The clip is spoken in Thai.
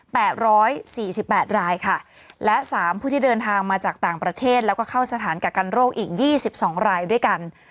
ร้อยสี่สิบแปดรายค่ะและสามผู้ที่เดินทางมาจากต่างประเทศแล้วก็เข้าสถานกักกันโรคอีกยี่สิบสองรายด้วยกัน